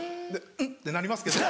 うんってなりますけど。